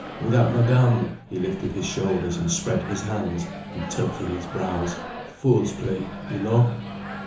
"Without Madame—" he lifted his shoulders and spread his hands and tilted his brows—"fool's play, you know."